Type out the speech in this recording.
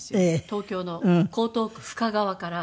東京の江東区深川から。